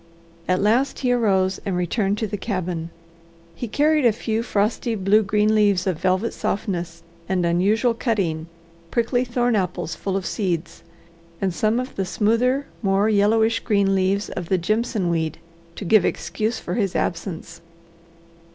At last he arose and returned to the cabin. He carried a few frosty, blue green leaves of velvet softness and unusual cutting, prickly thorn apples full of seeds, and some of the smoother, more yellowish green leaves of the jimson weed, to give excuse for his absence.